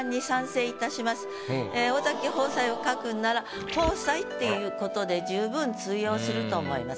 「尾崎放哉」を書くんなら「放哉」っていうことで十分通用すると思います。